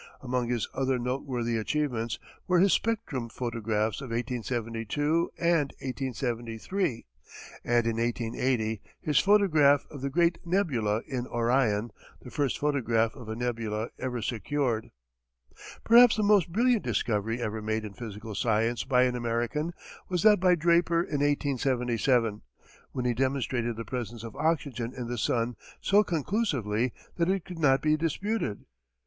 Among his other noteworthy achievements were his spectrum photographs of 1872 and 1873, and in 1880 his photograph of the great nebula in Orion, the first photograph of a nebula ever secured. Perhaps the most brilliant discovery ever made in physical science by an American was that by Draper in 1877, when he demonstrated the presence of oxygen in the sun so conclusively that it could not be disputed.